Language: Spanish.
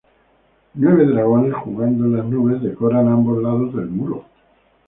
Nueve dragones jugando en las nubes decoran ambos lados del muro.